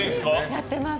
やってます。